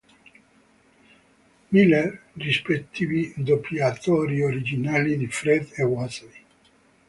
Miller, rispettivi doppiatori originali di Fred e Wasabi.